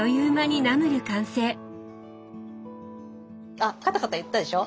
あカタカタ言ったでしょ。